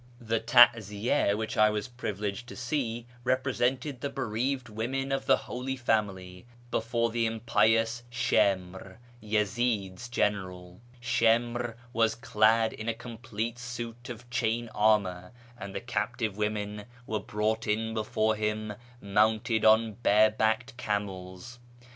The taziya which I was privileged to see represented the bereaved women of the Holy Family before the impious Shimr, Yezi'd's general. Shimr was clad in a complete suit of chain armour, and the captive women were brought in before him mounted on barebacked camels.